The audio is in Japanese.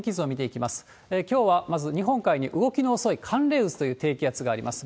きょうはまず、日本海に動きの遅い寒冷渦という低気圧があります。